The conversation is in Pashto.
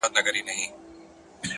هره شېبه د انتخاب ځواک لري.